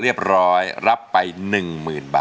เย้